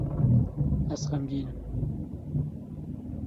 Ez xemgîn im.